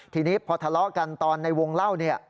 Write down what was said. ทีนี้พอทะเลาะกันตอนในวงเล่าเนี่ย